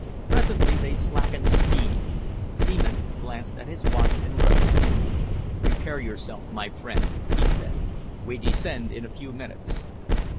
Presently they slackened speed. Seaman glanced at his watch and rose. "Prepare yourself, my friend," he said. "We descend in a few minutes."